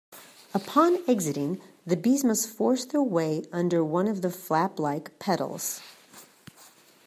Upon exiting, the bees must force their way under one of the flap-like petals.